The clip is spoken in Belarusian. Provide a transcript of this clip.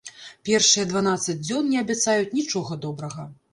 Першыя дванаццаць дзён не абяцаюць нічога добрага.